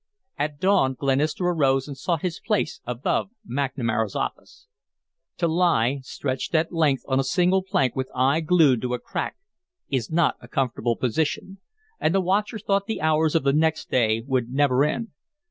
At dawn Glenister arose and sought his place above McNamara's office. To lie stretched at length on a single plank with eye glued to a crack is not a comfortable position, and the watcher thought the hours of the next day would never end.